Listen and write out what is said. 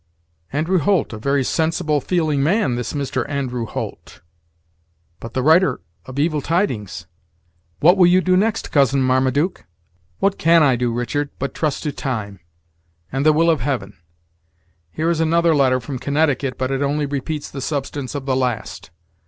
' Andrew Holt, a very sensible, feeling man, this Mr. Andrew Holt but the writer of evil tidings. What will you do next, Cousin Marmaduke?" "What can I do, Richard, but trust to time, and the will of Heaven? Here is another letter from Connecticut, but it only repeats the substance of the last.